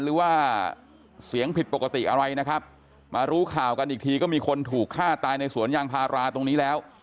หรือว่าเสียงผิดปกติอะไรนะครับมารู้ข่าวกันอีกทีก็มีคนถูกฆ่าตายในสวนยางพาราตรงนี้แล้ว